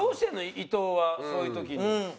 伊藤はそういう時に。